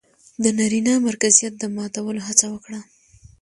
د نرينه مرکزيت د ماتولو هڅه وکړه